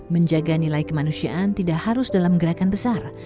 menjaga nilai kemanusiaan tidak harus dalam gerakan besar